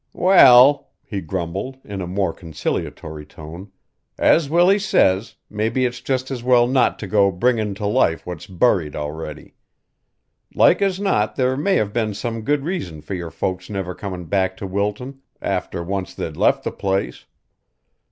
"Well," he grumbled in a more conciliatory tone, "as Willie says, mebbe it's just as well not to go bringin' to life what's buried already. Like as not there may have been some good reason for your folks never comin' back to Wilton after once they'd left the place.